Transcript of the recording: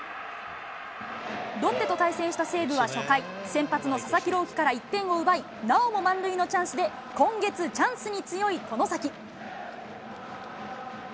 ロッテと対戦した西武は初回、先発の佐々木朗希から１点を奪い、なおも満塁のチャンスで、今月チャンスに強い外崎。